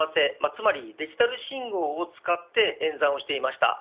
つまりデジタル信号を使って演算をしていました。